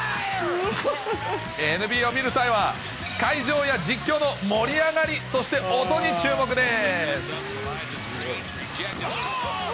ＮＢＡを見る際は、会場や実況の盛り上がり、そして音に注目です。